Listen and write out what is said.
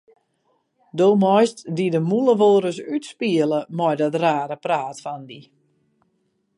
Do meist dy de mûle wolris útspiele mei dat rare praat fan dy.